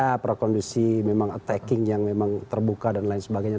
ada prakondisi memang attacking yang memang terbuka dan lain sebagainya